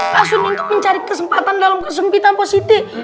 pak siti itu mencari kesempatan dalam kesempitan pak siti